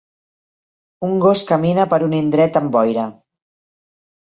Un gos camina per un indret amb boira